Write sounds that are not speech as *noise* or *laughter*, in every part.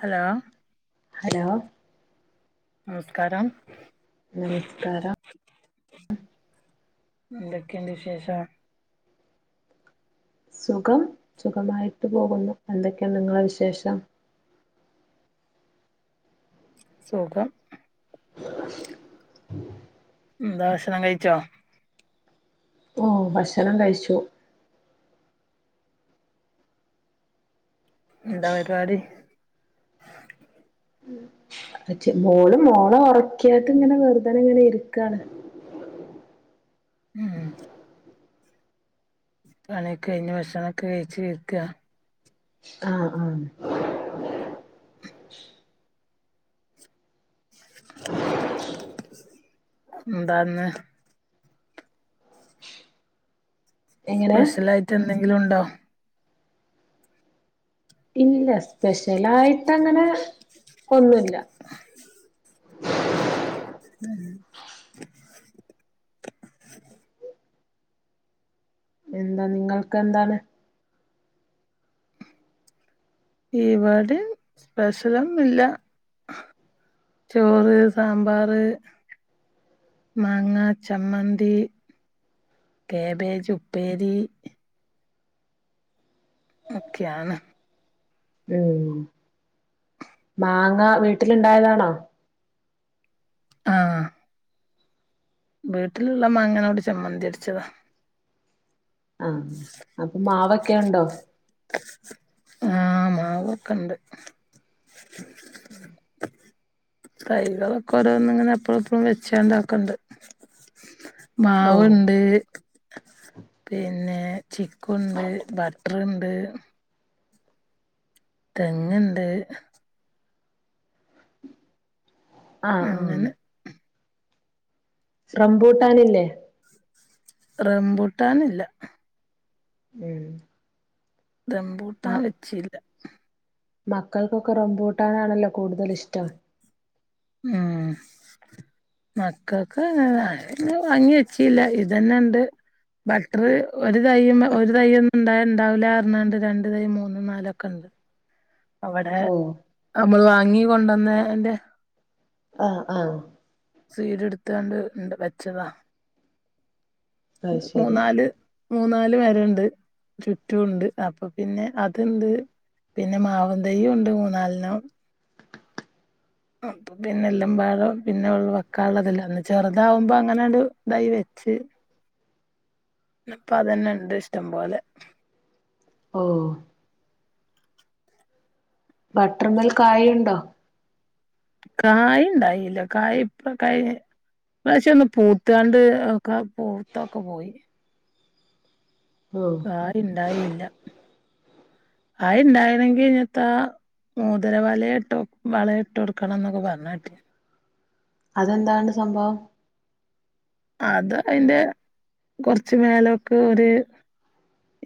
Hello hello നമസ്കാരം നമസ്കാരം എതൊക്കെയണ്ട് വിശേഷം സുഖം സുഖമായിട്ട് പോകുന്നു എന്തൊക്കെയാണ് നിങ്ങളുടെ വിശേഷം. അ സുഖം എന്താ ഭക്ഷണം കഴിച്ചോ ഓ ഭക്ഷണം കഴിച്ചു എന്താ പരിപാടി അപ്പച്ചി മോളും മോളെ ഉറക്കീട്ട് ഇങ്ങനെ വെറുതെനെ ഇങ്ങനെ ഇരിക്കയാണ് ആഹ് പണിയൊക്കെ കഴിഞ്ഞ് ഭക്ഷണമൊക്കെ കഴിച്ച് ഇരിക്കുക ആഹ് ആഹ് എന്താ ഇന്ന് എങ്ങനെ സ്പെഷ്യലായിട്ട് എന്തെങ്കിലും ഉണ്ടോ ഇല്ല സ്പെഷ്യലായിട്ട് അങ്ങനെ ഒന്നുമില്ല ഉം എന്താ നിങ്ങൾക്ക് എന്താണ് ഇവിടെ സ്പെഷലൊന്നുമില്ല ചോറ് സാമ്പാറ് മാങ്ങാ ചമ്മന്തി കേബേജ് ഉപ്പേരി ഒക്കെയാണ് ഉം മാങ്ങ വീട്ടിലിണ്ടായതാണോ ആഹാ വീട്ടിലുള്ള മാങ്ങകൊണ്ട് ചമ്മന്തിയരച്ചതാ ആഹ് അപ്പൊ മാവൊക്കെ ഉണ്ടോ ആഹാ മാവൊക്കിണ്ട് *inaudible* തൈകളൊക്കെ ഓരോന്നിങ്ങനെ അപ്പുറം ഇപ്പുറം വെച്ചാണ്ടാക്കണ്ട് ഓ മാവുണ്ട് പിന്നെ ചിക്കുവുണ്ട് ബട്ടറുണ്ട് തെങ്ങണ്ട്‌ ആഹ് ഉം അങ്ങനെ റംമ്പൂട്ടാനില്ലേ റംമ്പൂട്ടാനില്ല ഉം ദംമ്പൂട്ടാൻ മ- വെച്ചില്ല മക്കൾക്കൊക്കെ റംബുട്ടാനാണല്ലോ കൂടുതൽ ഇഷ്ടം ആഹ് മക്കൾക്ക് ഭംഗി വെച്ചില്ല ഇതന്നെ ഇണ്ട് ബട്ടർ ഒരു തൈമേ ഒരു തൈ ഒന്നും ഇണ്ടായാ ഉണ്ടാവില്ല പറഞ്ഞുങ്ങാണ്ട് രണ്ട് തൈ മൂന്നും നാലൊക്കെ അവിടെ ഓ നമ്മൾ വാങ്ങി കൊണ്ടുവന്നെന്റെ ആഹാ ആഹാ സ്വീഡ് എടുത്താണ്ട് രണ്ട് വെച്ചതാ അത് ശരി മൂന്നാല് മൂന്നാല് വേരുണ്ട് ചുറ്റുവുണ്ട് അപ്പൊ പിന്നെ അതിണ്ട് പിന്നെ മാവും *unintelligible* തെയ്യുണ്ട് മൂന്നാലെണ്ണം പിന്നെ എല്ലാം ഭാഗം പിന്നെ ഉള്ള വെക്കാള്ളതെല്ലാം അന്ന് ചെറുതാവുമ്പോ അങ്ങനെ ഒരു ഇതായി വെച്ച് ഇപ്പൊ അതെന്നിണ്ട് ഇഷ്ടം പോലെ ഓ ബട്ടർ മേൽ കായിയുണ്ടോ കായി ഇണ്ടായില്ല കായ് ഇപ്പ കഴിഞ്ഞ ഇപ്രാവശ്യം ഒന്ന് പൂത്താണ്ട് ക്കാ പൂത്തൊക്കെ പോയി ഉം ആരുഇണ്ടായീല്ലാ ആരൂണ്ടായിണെങ്കിനീത്താ മോതിര വലയ്ഇട്ടു വള ഇട്ടുടുക്കണം എന്നൊക്കെ പർണ കേട്ടു. അതെന്താണ് സംഭവം അത് അയിന്റെ കൊറച്ച് മേലോക്ക് ഒര്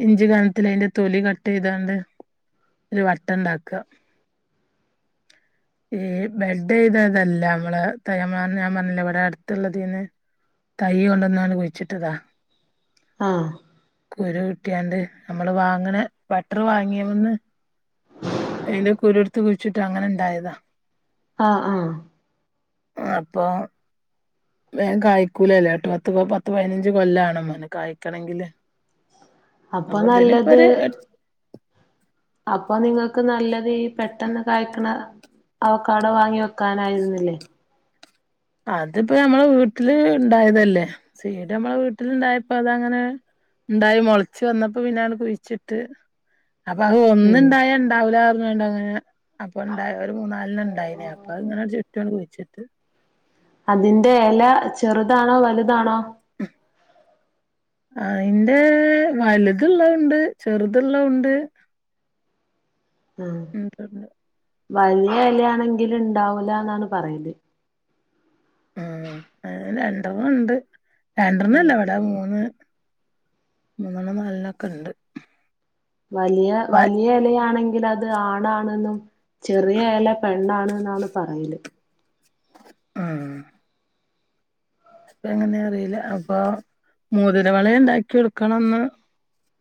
ഇഞ്ചികൻത്തിലൈൻ്റെ തൊലി കട്ട് ചെയ്താണ്ട് ഒരു വട്ടണ്ടാക്കാ ഏയ് ബെൽഡ് ചെയ്തതല്ല മ്മളെ തയ്യാമാന്ന് ഞാൻ പർഞ്ഞില്ല ഇവിടെ അടുത്ത്ള്ളതീന്ന് തൈ കൊണ്ട്ന്നാണ് കുയ്ച്ചിട്ടതാ ആഹ് കുരു കിട്ടിയാണ്ട് നമ്മള് വാങ്ങണ ബട്ടറ് വാങ്ങിയ വന്ന് അയിൻ്റെ കുരൂടുത്ത് കുഴിച്ചിട്ട് അങ്ങനെണ്ടായതാ ആഹ് ആഹ് അപ്പോ വേം കായ്ക്കൂലല്ലോ എട്ട്, പത്ത് പത്ത്, പൈനഞ്ച് കൊല്ലാണംമ്ന്ന് കായ്ക്കണേങ്കില് അപ്പൊ നല്ലത് അപ്പൊതിനിപ്പോരു എടച് അപ്പൊ നിങ്ങക്ക് നല്ലത് ഈ പെട്ടെന്ന് കായ്ക്കണ അവൊക്കാഡോ വാങ്ങി വെക്കാനായിരുന്നില്ലേ അതിപ്പോ ഞമ്മള വീട്ടില് ഇണ്ടായതല്ലേ. സീഡ് നമ്മള വീട്ടിലിണ്ടായപ്പോ അതങ്ങനെ ഇണ്ടായി മൊളച്ച് വന്നപ്പോ പിന്നാണ് കുഴിച്ചിട്ട് അപ്പൊ അത് ഉം ഒന്ന്ണ്ടായ ഇണ്ടാവൂലാ പറഞ്ഞ് വേണ്ട അങ്ങനെ അപ്പൊ ഇണ്ടായി ഒരു മൂന്നാലിന് ഉണ്ടായിന് അപ്പൊ അഇങ്ങനെ ഒരു ചുറ്റുവങ്ങ് കുഴിച്ചിട്ട് അതിന്റെ എല ചെറുതാണോ വലുതാണോ അതിൻ്റെ വലുത്ള്ള ഉണ്ട് ചെറുത്ള്ള ഉണ്ട് ആഹ് ഉണ്ട്ണ്ട് വല്ല്യ എലയാണെങ്കിലും ഇണ്ടാവൂലന്നാണ് പറയല് ആഹ് അയിലെ എന്തോഉണ്ട്. രണ്ടൊന്നുല്ല ഉം ഇവിടെ മൂന്ന് മൂന്നെണ്ണം നാലൊണൊക്കെണ്ട് വലിയ വലിയ എലയാണെങ്കിലത്. അത് ആണാണെന്നും ചെറിയ എല പെണ്ണാണ്ന്നാ എന്നാണ് പറയല് ആഹ് അപ്പൊഎങ്ങനെ അറിയില്ല. അപ്പൊ മോതിരവളയിണ്ടാക്കി കൊടുക്കണംന്ന്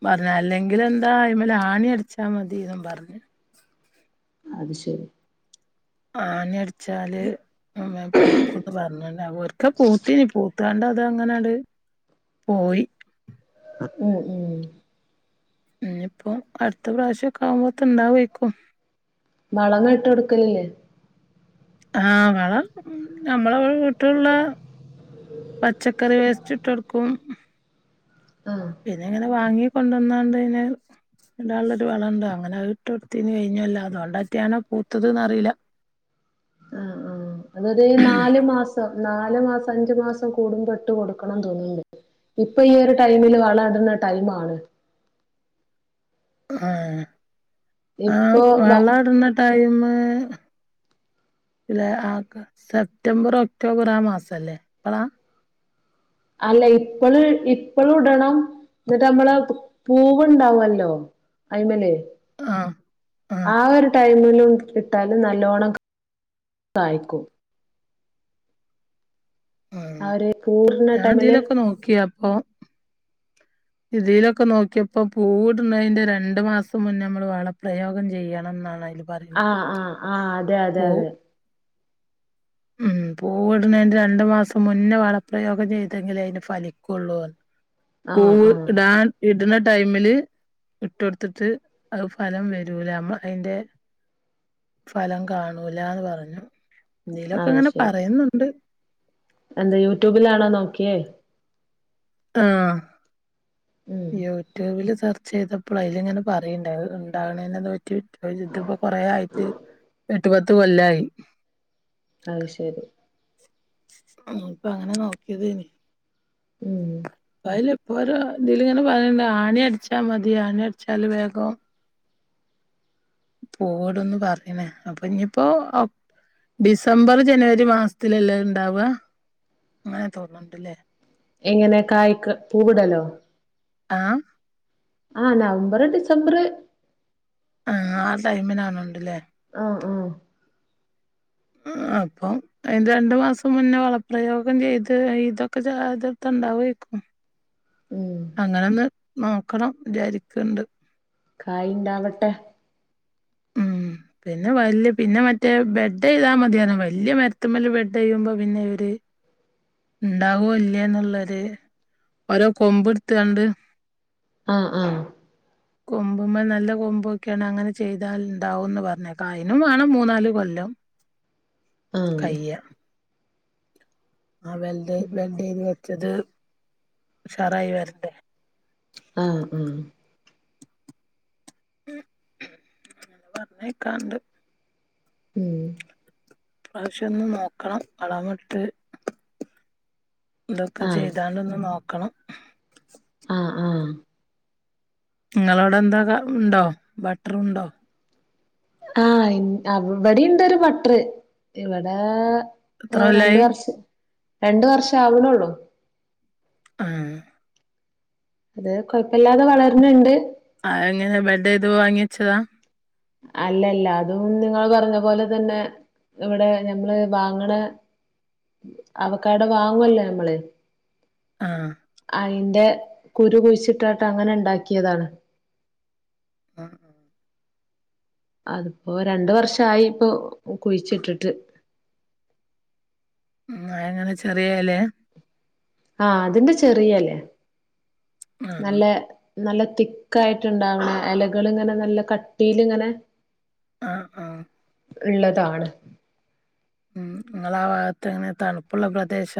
പർഞ്ഞ് അല്ലെങ്കിലന്താ അയ്മേലാണി അടിച്ചാ മതീന്നും പർഞ്ഞ് അത് ശെരി ആണിയടിച്ചാല് മുംമേപൂ പൂക്ക്ന്ന് പറഞ്ഞ്ണ് വെർതേപൂത്തീ, പൂത്താണ്ടാത് അങ്ങനാത് പോയി ഉം ഉം ഇനീപ്പോ അടുത്ത പ്രാശൊക്കെ ആവുമ്പത്തേൻണ്ടാവായ്ക്കും വളവ് ഇട്ട് കൊടുക്കലില്ലേ ആഹ് വള ഉം നമ്മള വീട്ടിള്ള പച്ചക്കറി വേസ്റ്റിട്ടൊടുക്കും ആഹ് പിന്നിങ്ങനെ വാങ്ങി കൊണ്ട്ന്നാണ്ട്ന്നേ ഇടാള്ളൊരു വളോണ്ടോ അങ്ങനെ അയീട്ട്ടൊത്തീന് കഴിഞ്ഞൊല്ലം അതോണ്ട്റ്റാണോ പൂത്തത് ന്നറിയില്ല ആഹ് ആഹ് ഉം അതൊര് നാല് മാസം. നാല് മാസം, അഞ്ചു മാസം കൂടുമ്പോ ഇട്ട് കൊടുക്കണം തോന്ന്ണ്ട് ഇപ്പൊ ഈ ഒരു ടൈമില് വളഇടുന്ന ടൈമാണ് ആഹ് ആഹ് ഇപ്പൊ വളം ഇടണ ടൈമ് പിലേ ആർക്കാ? സെപ്റ്റംബറ് ഒക്ടോബറ് ആ മാസല്ലേ അപ്പളാ അല്ല ഇപ്പള് ഇപ്പളും ഇടണം ന്നിട്ട് അമ്മള് പ് പൂവുണ്ടാവല്ലോ അയ്മേല് ആഹ് ആഹ് ആ ഒരു ടൈമിലു ട്ടാലും നല്ലോണം കായ്ക്കും ആ ഒര് പൂവ്ട്ണ ടൈമില് ക്ക്യോ അപ്പോ ഇതീലൊക്കെ നോക്കിയപ്പോ പൂവ്ട്ണേന്റെ രണ്ട് മാസം മുന്നെ അമ്മള് വളപ്രയോഗം ചെയ്യണംന്നാണയ്ല് ആഹ് ആഹ് ആഹ് അതെ അതെ അതെ ഉം പൂവ്ട്ണേന്റെ രണ്ട് മാസം മുന്നെ വളപ്രയോഗം ചെയ്തെങ്കിലേ അയിന് ഫലിക്കൊള്ളൂ ആഹ് പൂവ് ആഹ് ഇടാൻ ഇട്ണ ടൈമില് ഇട്ടൊട്ത്ത്ട്ട് അത് ഫലം വരൂലാ അമ്മള് അയിന്റെ ഫലം കാണൂലാന്ന് പറഞ്ഞു ഇതിലൊക്കെങ്ങനെ പറയുന്നുണ്ട് അന്തേ യൂട്യൂബിലാണോ നോക്കിയേ ആഹ് ഉം യൂ യുട്യൂബില് സെർച്ചെയ്തപ്പള് അയ്ല്ങ്ങനെ പറയണ്ടത് ഇണ്ടാവ്ണയിനെന്തേ പറ്റി പ്പ ഇത്പ്പോ കൊറേ ആയിട്ട് എട്ട് പത്ത് കൊല്ലായി അഹ് ശരി ഉം പ്പ അങ്ങനെ നോക്കിയതേനി ഉം അയില് ഇപ്പോരോ ഇതില് ഇങ്ങനെ പറയ്ണ്ട് ആണി അടിച്ചാ മതി ആണി അടിച്ചാല് വേഗം പൂവ്വ്ടുന്ന് പറ്ഞ്ഞിണ് അപ്പൊ ഇഞ്ഞ്പ്പോ ഡിസംബർ ജനുവരി മാസത്തിലെല്ലേ അത് ഇണ്ടാവാ അങ്ങനെ തോന്ന്ണ്ട്ല്ലേ എങ്ങനെ കായ്ക്ക് പൂവ്വ്ടലോ ആഹ് ആഹ് നവംബർ ഡിസംബർ ആഹ് ആ ടൈമിലാണ്ട്ല്ലേ ആഹ് ആഹ് ആഹ് അപ്പം അയിന്റെ രണ്ട് മാസം മുന്നേ വളപ്രയോഗം ചെയ്ത് ഇതൊക്കെ ചാതൊട്ത്താ ഇണ്ടാവേക്കും ഉം അങ്ങനൊന്ന് നോക്കണം വിചാരിക്ക്ണ്ട് കായ്ണ്ടാവട്ടെ ഉം പിന്നെ വല്ല്യേ പിന്നെ മറ്റേ ബെഡ്ഡ്യ്താ മതിയാന്നു വല്ല്യേ മരത്തുമ്മല് ബെഡ്ഡ്യ്യുമ്പോ പിന്നെ ഒര് ഇണ്ടാവോ ഇല്ലേന്ന്ള്ളൊര് ഓരോ കൊമ്പ്ട്ത്ത്ക്കാണ്ട് ആഹ് ആഹ് കൊമ്പുമ്മെ നല്ല കൊമ്പോക്ക്യാണ് അങ്ങനെ ചെയ്താൽ ഉണ്ടാവുംന്ന് പറഞ്ഞേക്കാ അയ്നും വേണം മൂന്നാല് കൊല്ലം ആഹ് കയ്യ ആഹ് വെൽഡ് വെൽഡേയ്ത് വെച്ചത് ഉഷാറായി വരട്ടെ ആഹ് ആഹ് ഉം പറ്ഞ്ഞേക്കാണ്ട് ഉം ഇപ്രാവശ്യം ഒന്ന് നോക്കണം വളമിട്ട് ഇതൊക്കെ ആഹ് ചെയ്താണ്ടൊന്ന് നോക്കണം ആഹ് ആഹ് ഇങ്ങളോടെ എന്താ ക ഉണ്ടോ ബട്ട്റുണ്ടോ ആഹ് ഇന് ആഹ്‌ ഇവടീണ്ടൊരു ബട്ട്റ് ഇവടേ എത്ര ഓഹ് രണ്ട് കൊല്ലായി വർഷം രണ്ട് വർഷം ആവ്ണൊള്ളൂ ആഹ്‌ ഇത് കൊയപ്പല്ലാതെ വളര്ന്ണ്ട് ആഹ് ഇങ്ങനെ ബെഡ്ഡയ്ത് വാങ്ങിയെച്ചതാ അല്ലല്ലാ അതും നിങ്ങൾ പറഞ്ഞ പോലെ തന്നെ ഇവിടേ ഞമ്മള് വാങ്ങ്ണേ അവക്കാടോ വാങ്ങുവല്ലേ നമ്മള് ആഹ് അയിന്റെ കുരു കുഴിച്ചിയിട്ട് അങ്ങനെ ഉണ്ടാക്കിയതാണ് അഹ് അഹ് അതിപ്പോ രണ്ടു വർഷായി ഇപ്പൊ കുഴിച്ചിട്ടിട്ട് ഉ ആഎങ്ങനെ ചെറിയ എലയാ ആഹ് അതിന്റെ ചെറിയ ഇലയാ ആ ന ല്ലേ നല്ല തിക്കായിട്ട്ണ്ടാവണ് ഇലകള് ഇങ്ങനെ നല്ല കട്ടിയില് ഇങ്ങനെ ആഹ് ആഹ് ഉള്ളതാണ് ഉം ഇങ്ങള ആ ഭാഗത്തു എങ്ങനെ തണുപ്പുള്ള പ്രദേശ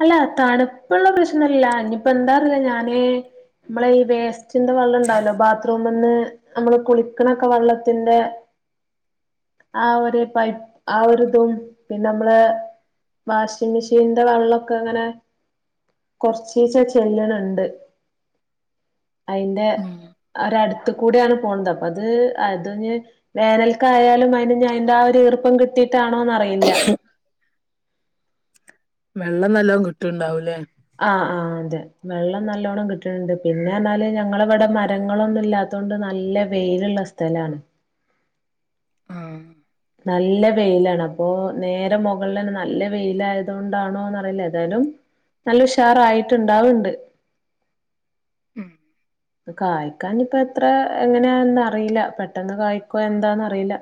അല്ല തണുപ്പുള്ള പ്രശ്നല്ല ഇനിപ്പോ എന്താ അറീല്ല ഞാനേ നമ്മളെ ഈ വേ സ് ന്റെ വെള്ളം ഉണ്ടാവല്ലോ ബാത്റൂമന്ന് നമ്മള് കുളിക്കണൊക്കെ വെള്ളത്തിന്റെ ആ ഒരു പൈ ആ ഒരിതും പിന്നെ നമ്മള് വാഷിംഗ് മെഷീനിന്റെ വെള്ളമൊക്കെ അങ്ങനെ കൊറച്ചീച്ച ചെല്ലണുണ്ട് അതിന്റെ ഒരടു ത്ത് കൂടെയാണ് പോണത് അപ്പൊ അത് അതു ഞ്ഞെ വേനൽക്കായാലും അതിന് ഞൻന്റെ ആ ഒരു ഈർപ്പം കിട്ടിട്ടാണോന്ന് അറിയില്ല വെള്ളം നല്ലും കിട്ടിണ്ടാവൂലേ ആഹ് ആഹ് അതെ വെള്ളം നല്ലോണ്ണം കിട്ടുന്നുണ്ട് പിന്നെന്നാല് ഞങ്ങള ഇവിടെ മരങ്ങളൊന്നുംമല്ലാത്ത അതൊണ്ട് നല്ല വെയിലുള്ള സ്ഥലമാണ് ആഹ് നല്ല വെയിലാണ് അപ്പൊ നേരെ മുകളിൽന്നെ നല്ല വെയിലായതുകൊണ്ടാണോന്ന് അറിയില്ല ഏതായാലും നല്ല ഉഷാറ ആയിട്ട്ണ്ടാവണ്ട് ഉം കായ്ക്കാൻ ഇപ്പ എത്ര എങ്ങനെയാന്ന് അറിയില്ല പെട്ടെന്ന് കായ്ക്കോ എന്താന്ന് അറിയില്ല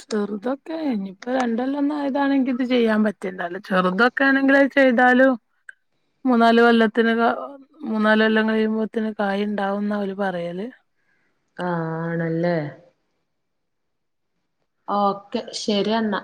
ചെറുതൊക്കെ ഇനിയിപ്പോ രണ്ട് കൊല്ലംഒന്നും ആയതാണെങ്കി ഇത് ചെയ്യാൻ പറ്റില്ലല്ലോ ചെറുതൊ ക്കാആണെങ്കിൽ ചെയ്താലും മൂന്നാല് കൊല്ലത്തിന് അകം മൂന്നാല്ല് കൊല്ലം കഴിയുമ്പോത്തന് കായ് ഉണ്ടാവും എന്ന അവര് പറയല് ആ ഹ് ആണല്ലേ ഓക്കെ ശരി എന്നാ